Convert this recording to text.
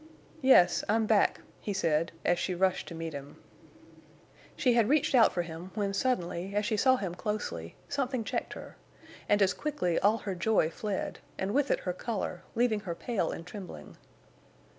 "Yes, I'm back," he said, as she rushed to meet him. She had reached out for him when suddenly, as she saw him closely, something checked her, and as quickly all her joy fled, and with it her color, leaving her pale and trembling.